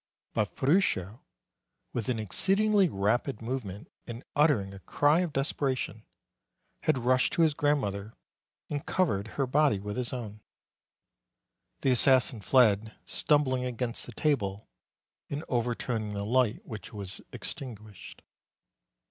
But Ferruccio, with an exceedingly rapid move ment, and uttering a cry of desperation, had rushed to his grandmother, and covered her body with his own. The assassin fled, stumbling against the table and over turning the light, which was extinguished.